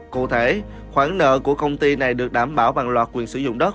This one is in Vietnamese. cụ thể khoản nợ của công ty này được đảm bảo bằng loạt quyền sử dụng đất